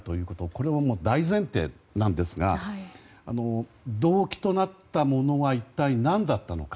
これは大前提ですが動機となったものは一体何だったのか。